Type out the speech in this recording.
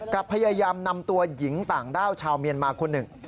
พยายามนำตัวหญิงต่างด้าวชาวเมียนมาคนหนึ่ง